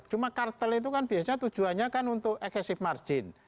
cuma kartel itu kan biasanya tujuannya kan untuk eksesif margin